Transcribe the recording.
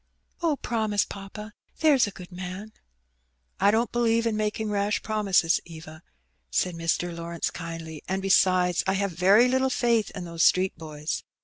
"Oh, promise, papa, there's a good man." "I don't believe in making rash promises, Eva," said Mr. Lawrence kindly; "and, besides, I have very little faith in those street boys.